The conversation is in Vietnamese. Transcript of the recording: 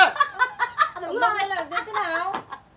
trổ mông lên là làm gì thế nào